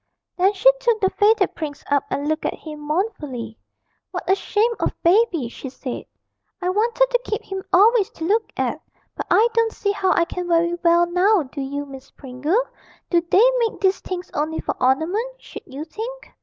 Then she took the faded prince up and looked at him mournfully. 'What a shame of Baby!' she said; 'I wanted to keep him always to look at but I don't see how I can very well now, do you, Miss Pringle? Do they make these things only for ornament, should you think?'